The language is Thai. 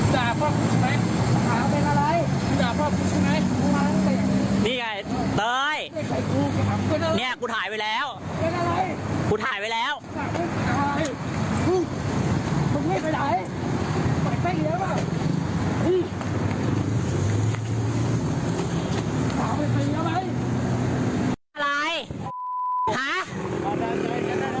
นี่ไงเตยเนี่ยกูถ่ายไว้แล้วกูถ่ายไว้แล้ว